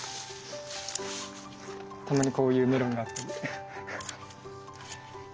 たまにこういうメロンがあったりします。